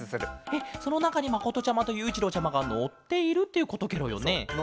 えっそのなかにまことちゃまとゆういちろうちゃまがのっているっていうことケロよね？